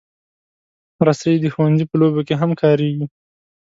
رسۍ د ښوونځي په لوبو کې هم کارېږي.